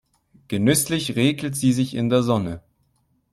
Genüsslich räkelt sie sich in der Sonne.